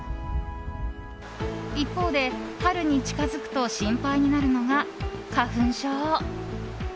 一方で、春に近づくと心配になるのが花粉症。